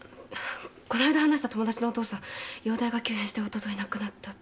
この間話した友達のお父さん容体が急変しておととい亡くなったって。